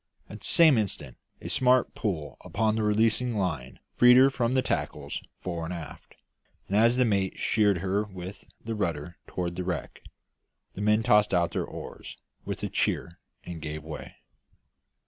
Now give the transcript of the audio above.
At the same instant a smart pull upon the releasing line freed her from the tackles fore and aft; and as the mate sheered her with the rudder toward the wreck, the men tossed out their oars with a cheer and gave way.